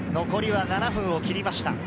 残りは７分を切りました。